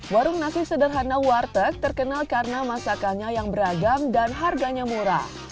warung nasi sederhana warteg terkenal karena masakannya yang beragam dan harganya murah